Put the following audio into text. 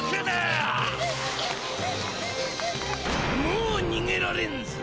もうにげられんぞ。